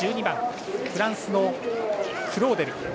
１２番、フランスのクローデル。